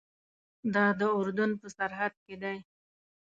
دا د اردن په سرحد کې دی.